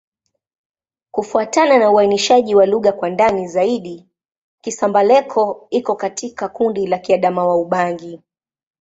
Kufuatana na uainishaji wa lugha kwa ndani zaidi, Kisamba-Leko iko katika kundi la Kiadamawa-Ubangi.